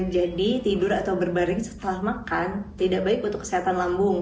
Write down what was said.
jadi tidur atau berbaring setelah makan tidak baik untuk kesehatan lambung